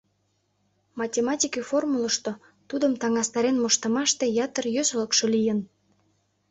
Математике формулышто, тудым таҥастарен моштымаште ятыр йӧсылыкшӧ лийын.